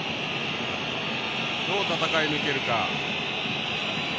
どう戦いぬけるか。